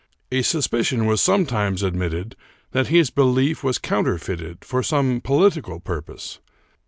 A sus picion was sometimes admitted that his belief was counter feited for some political purpose.